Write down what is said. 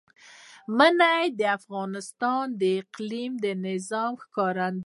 منی د افغانستان د اقلیمي نظام ښکارندوی ده.